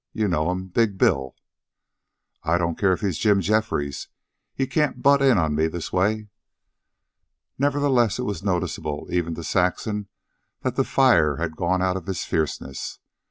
You know'm. Big Bill." "I don't care if he's Jim Jeffries. He can't butt in on me this way." Nevertheless it was noticeable, even to Saxon, that the fire had gone out of his fierceness.